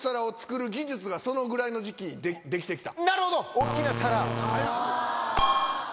大っきな皿。